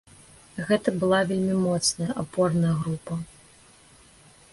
Гэта была вельмі моцная, апорная група.